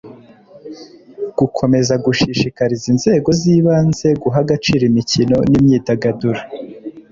gukomeza gushishikariza inzego z'ibanze guha agaciro imikino n'imyidagaduro